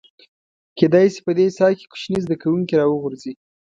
کېدای شي په دې څاه کې کوچني زده کوونکي راوغورځي.